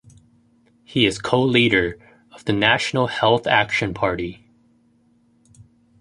He is Co-Leader of the National Health Action Party.